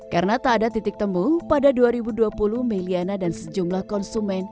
karena tak ada titik temu pada dua ribu dua puluh may liana dan sejumlah konsumen